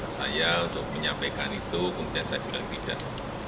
saya untuk menyampaikan itu kemudian saya bilang tidak